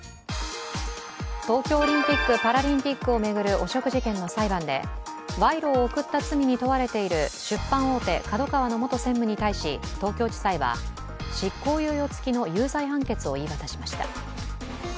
東京オリンピック・パラリンピックを巡る汚職事件の裁判で賄賂を贈った罪に問われている出版大手・ＫＡＤＯＫＡＷＡの元専務に対し東京地裁は、執行猶予付きの有罪判決を言い渡しました。